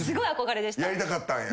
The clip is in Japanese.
やりたかったんや。